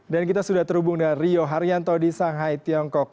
dan kita sudah terhubung dengan rio haryanto di shanghai tiongkok